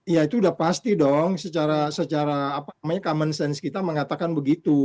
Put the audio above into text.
ya itu udah pasti dong secara common sense kita mengatakan begitu